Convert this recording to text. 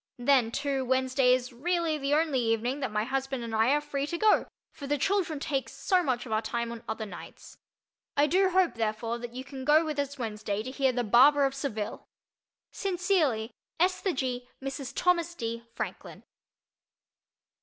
Then, too, Wednesday is really the only evening that my husband and I are free to go, for the children take so much of our time on other nights. I do hope, therefore, that you can go with us Wednesday to hear "The Barber of Seville." Sincerely, Esther G. (Mrs. Thomas D.) Franklin.